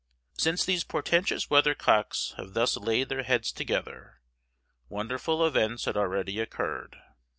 Since these portentous weathercocks have thus laid their heads together, wonderful events had already occurred.